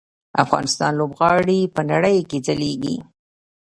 افغان لوبغاړي په نړۍ کې ځلیږي.